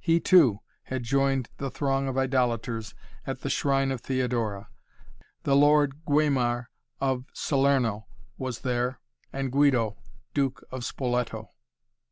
He, too, had joined the throng of idolators at the shrine of Theodora. The Lord Guaimar of Salerno was there, and Guido, Duke of Spoleto.